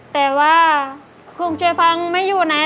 แต่ว่าเครื่องช่วยฟังไม่อยู่ไหน